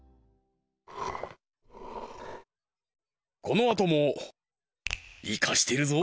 このあともイカしてるぞ！